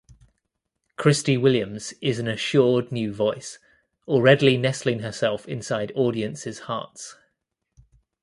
Kristi Williams is an assured new voice already nestling herself inside audiences’ hearts.